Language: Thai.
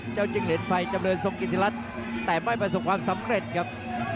จิ้งเหรียญไฟจำเรินทรงกิจรัฐแต่ไม่ประสบความสำเร็จครับ